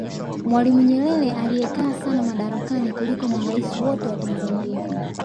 mwalimu nyerere aliyekaa sana madarakani kuliko maraisi wote wa tanzania